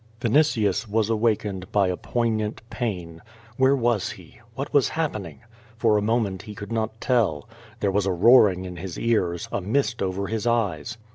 Vinitius was awakened by a poignant pain. Where was he? What was happening? For a moment he could not tell. There was a roaring in his ears, a mist over his eyes.